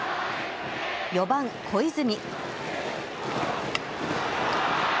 ４番・小泉。